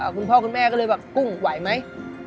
คุณพ่อคุณแม่ก็เลยแบบกุ้งไหวไหม